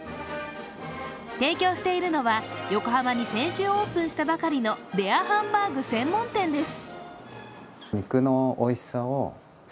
提供しているのは、横浜に先週オープンしたばかりのレアハンバーグ専門店です。